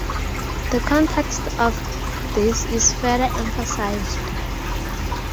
The context of this is further emphasised.